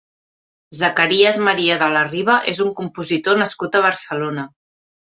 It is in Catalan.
Zacarías Maria de la Riva és un compositor nascut a Barcelona.